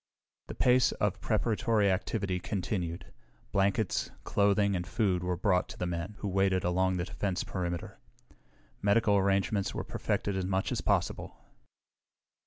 The pace of preparatory activity continued. Blankets, clothing and food were brought to the men who waited along the defense perimeter. Medical arrangements were perfected as much as possible.